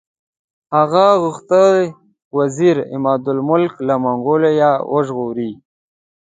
هغه غوښتي وزیر عمادالملک له منګولو یې وژغوري.